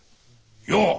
よう。